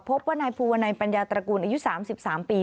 พบว่านายภูวนัยปัญญาตระกูลอายุ๓๓ปี